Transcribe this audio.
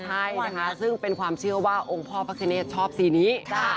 ใช่นะคะซึ่งเป็นความเชื่อว่าองค์พ่อพระคเนธชอบสีนี้